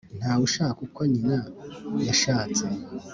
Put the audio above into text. Ntawe ushaka uko nyina yashatse.